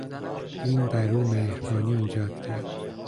دین در او مهربانی ایجاد کرد.